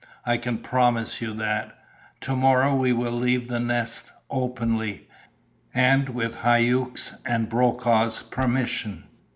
I can promise you that. To morrow we will leave the Nest openly and with Hauck's and Brokaw's permission.